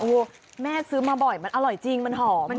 โอ้โหแม่ซื้อมาบ่อยมันอร่อยจริงมันหอม